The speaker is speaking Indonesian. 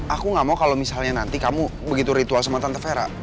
aku gak mau kalau misalnya nanti kamu begitu ritual sama tante vera